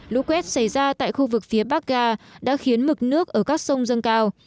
lũ quét xảy ra tại khu vực phía bắc ga đã khiến mực nước ở các sông dâng cao